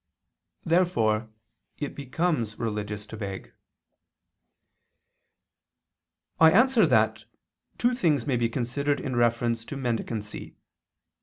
Therefore it becomes religious to beg. I answer that, Two things may be considered in reference to mendicancy.